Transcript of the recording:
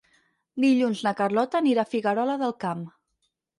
Dilluns na Carlota anirà a Figuerola del Camp.